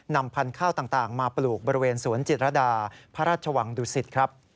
นำพันธุ์ข้าวต่างมาปลูกบริเวณสวนจิตรดาพระราชวังดุสิตครับ